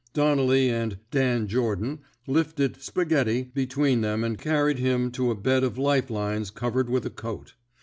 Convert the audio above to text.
Donnelly and Dan Jordan '* lifted Spa ghetti *' between them and carried him to a bed of life lines covered with a coat.